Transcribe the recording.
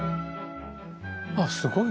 あっすごい！